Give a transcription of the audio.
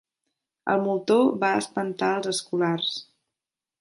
El moltó va espantar els escolars.